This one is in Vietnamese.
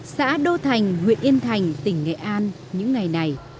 xã đô thành huyện yên thành tỉnh nghệ an những ngày này